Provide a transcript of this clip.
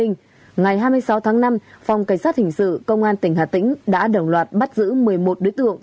ngày hai mươi sáu tháng năm phòng cảnh sát hình sự công an tỉnh hà tĩnh đã đồng loạt bắt giữ một mươi một đối tượng